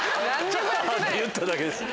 言っただけです。